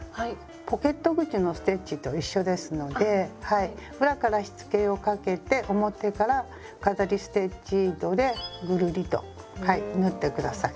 ポケット口のステッチと一緒ですので裏からしつけをかけて表から飾りステッチ糸でぐるりと縫ってください。